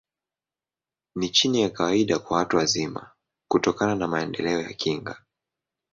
Ni chini ya kawaida kwa watu wazima, kutokana na maendeleo ya kinga.